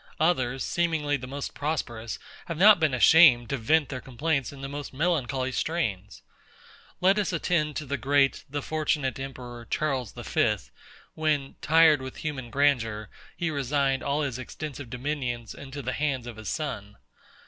Others, seemingly the most prosperous, have not been ashamed to vent their complaints in the most melancholy strains. Let us attend to the great, the fortunate emperor, CHARLES V, when, tired with human grandeur, he resigned all his extensive dominions into the hands of his son.